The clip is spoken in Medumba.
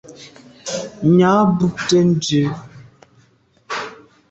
Nya bùnte ndù.